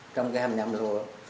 trong cái hầm nhầm lùa